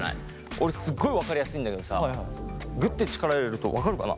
俺すごい分かりやすいんだけどさぐって力入れると分かるかな？